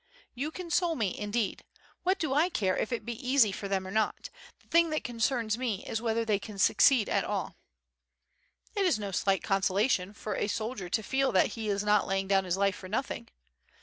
"You console me indeed. What do I care if it be easy for them or not; the thing that concerns me is whether they can succeed at all." "It is no slight consolation for a soldier to feel that he is not laying down his life for nothing."